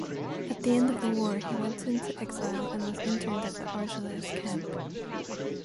At the end of the war he went into exile and was interned in the Argelès camp.